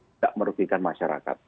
tidak merugikan masyarakat